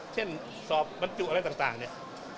เช่นสอบบันติวอะไรต่างเนี่ย